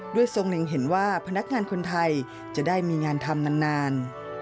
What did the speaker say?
ทรงเล็งเห็นว่าพนักงานคนไทยจะได้มีงานทำนาน